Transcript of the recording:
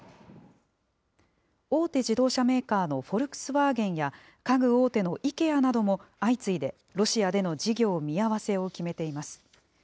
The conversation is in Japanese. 大手自動車メーカーのフォルクスワーゲンや、家具大手のイケアなども、相次いでロシアでの事業見合わせを決めています。